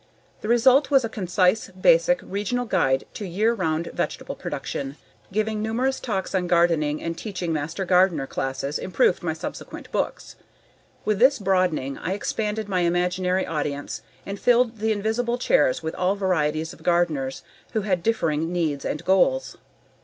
The result was a concise, basic regional guide to year round vegetable production. Giving numerous talks on gardening and teaching master gardener classes improved my subsequent books. With this broadening, I expanded my imaginary audience and filled the invisible chairs with all varieties of gardeners who had differing needs and goals.